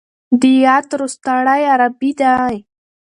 د يات روستاړی عربي دی.